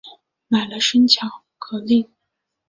买了生巧克力